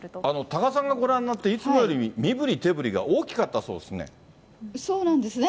多賀さんがご覧になって、いつもより身ぶり手ぶりが大きかったそうでそうなんですね。